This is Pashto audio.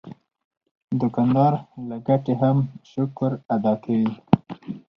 دوکاندار له ګټې هم شکر ادا کوي.